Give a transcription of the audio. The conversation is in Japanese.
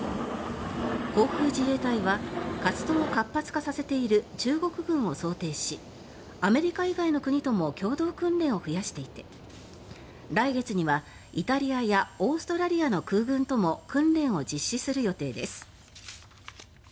航空自衛隊は活動を活発化させている中国軍を想定しアメリカ以外の国とも共同訓練を増やしていて来月にはイタリアやオーストラリアの空軍とも訓練を実施する予定です。